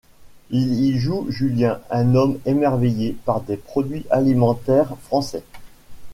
Il y joue Julien, un homme émerveillé par des produits alimentaires français.